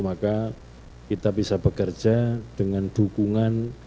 maka kita bisa bekerja dengan dukungan